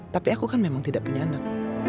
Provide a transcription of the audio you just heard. tapi aku kan memang tidak punya anak